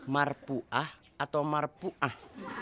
marpuah atau marpuah